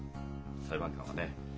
裁判官はね